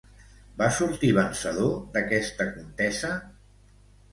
Va sortir vencedor d'aquesta contesa?